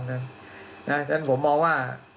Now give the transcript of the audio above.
ฉะนั้นผมมองว่า